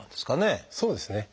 そうですね。